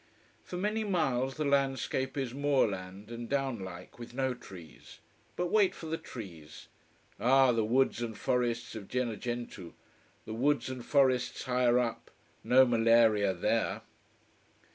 For many miles the landscape is moorland and down like, with no trees. But wait for the trees. Ah, the woods and forests of Gennargentu: the woods and forests higher up: no malaria there!